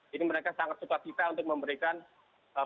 jadi mereka sangat suka suka untuk memberikan pilihan